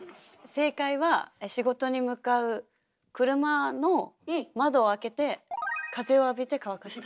正解は仕事に向かう車の窓を開けて風を浴びて乾かした。